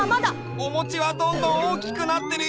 おもちはどんどんおおきくなってるよ！